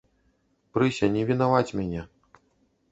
Прыся, не вінаваць мяне.